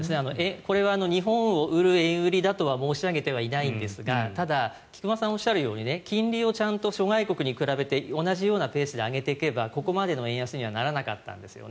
これは日本を売る円売りだとは申し上げてはいないんですがただ菊間さんがおっしゃるように金利をちゃんと諸外国に比べて同じようなペースで上げていけばここまでの円安にはならなかったんですよね。